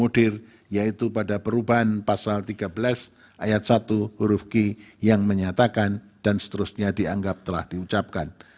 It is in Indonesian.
yaitu pada perubahan pasal tiga belas ayat satu huruf q yang menyatakan dan seterusnya dianggap telah diucapkan